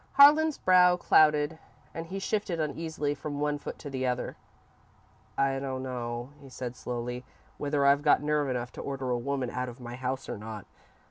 Harlan's brow clouded and he shifted uneasily from one foot to the other. "I don't know," he said, slowly, "whether I've got nerve enough to order a woman out of my house or not.